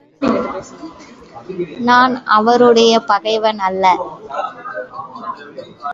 நான் அவருடைய பகைவன் அல்ல.